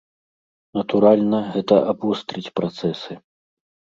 Натуральна, гэта абвострыць працэсы.